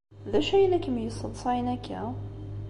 D acu ay la kem-yesseḍsayen akka?